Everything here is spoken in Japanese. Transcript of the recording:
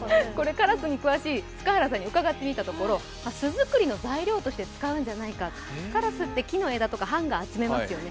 からすに詳しい塚原さんに伺ってみたところ巣作りの材料の材料として使うんじゃないか、からすって木の枝とかハンガー、集めますよね。